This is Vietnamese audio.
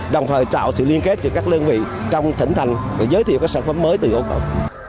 đồng thời tạo sự liên kết cho các lương vị trong tỉnh thành và giới thiệu các sản phẩm mới từ ocob